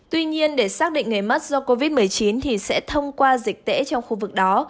tuy nhiên để xác định người mất do covid một mươi chín thì sẽ thông qua dịch tễ trong khu vực đó